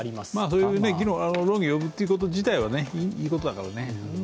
そういう論議を呼ぶということ自体はいいことだからね。